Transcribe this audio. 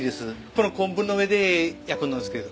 このコンブの上で焼くのですけど。